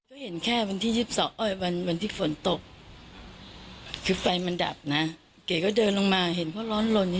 อ้าวพบศพอ้าวเป็นศพน้องเอ๋ยตกใจมากนะคะคนที่อยู่คอนโดมิเนียมเดียวกันบอกแบบนี้